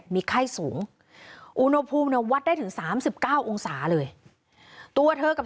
มีไข้สูงอุณหภูมิเนี่ยวัดได้ถึง๓๙องศาเลยตัวเธอกับ